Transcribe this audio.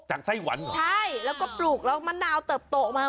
ไต้หวันเหรอใช่แล้วก็ปลูกแล้วมะนาวเติบโตออกมา